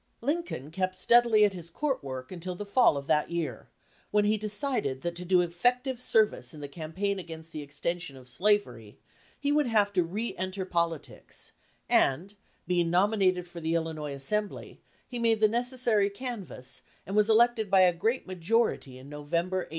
Lincoln kept steadily at his court work until the fall of that year, when he decided that to do effective service in the campaign against the ex tension of slavery he would have to reenter politics, and, being nominated for the Illinois Assembly, he made the necessary canvass, and was elected by a great majority in November, 1854.